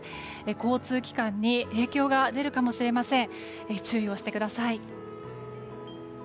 交通機関に影響が出るかもしれません。